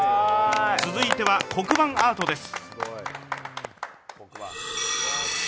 続いては、黒板アートです。